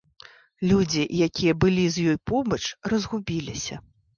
Людзі, якія былі з ёй побач, разгубіліся.